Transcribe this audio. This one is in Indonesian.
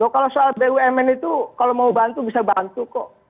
kalau soal bumn itu kalau mau bantu bisa bantu kok